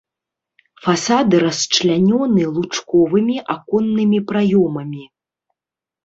Фасады расчлянёны лучковымі аконнымі праёмамі.